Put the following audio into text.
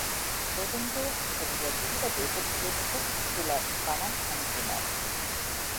கொழும்பு முதலிய தூர தேசத்திலிருந்தும் சிலர் பணம் அனுப்பினர்.